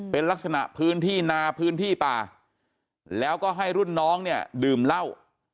เป็นลักษณะพื้นที่นาพื้นที่ป่าแล้วก็ให้รุ่นน้องเนี่ยดื่มเหล้า